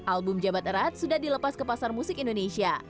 album jabat erat sudah dilepas ke pasar musik indonesia